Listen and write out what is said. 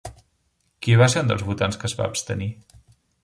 Qui va ser un dels votants que es va abstenir?